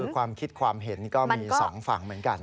ความคิดความเห็นก็มีสองฝั่งเหมือนกัน